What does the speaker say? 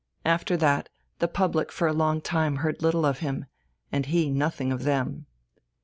After that, the public for a long time heard little of him, and he nothing of them.